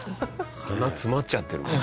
鼻詰まっちゃってるもん。